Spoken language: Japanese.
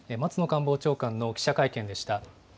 官房長官の記者会見でした。